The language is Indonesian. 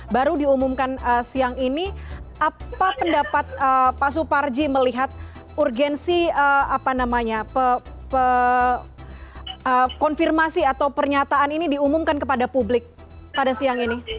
baru diumumkan siang ini apa pendapat pak suparji melihat urgensi konfirmasi atau pernyataan ini diumumkan kepada publik pada siang ini